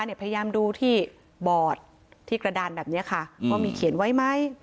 พยายามดูที่บอดที่กระดานแบบนี้ค่ะว่ามีเขียนไว้ไหม